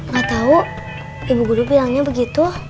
gak tahu ibu guru bilangnya begitu